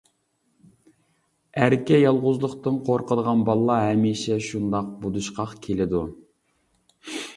ئەركە، يالغۇزلۇقتىن قورقىدىغان بالىلار ھەمىشە شۇنداق بۇدۇشقاق كېلىدۇ.